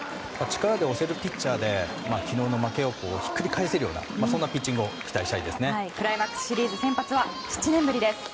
力で押せるピッチャーで昨日の負けをひっくり返せるようなそんなピッチングを期待したいですね。